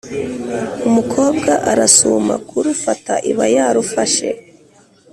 umukobwa arasuma kurufata, iba yarufashe.